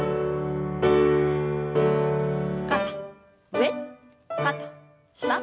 肩上肩下。